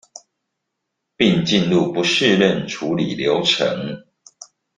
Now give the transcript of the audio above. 並進入不適任處理流程